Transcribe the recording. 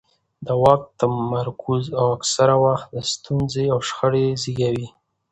د واک تمرکز اکثره وخت ستونزې او شخړې زیږوي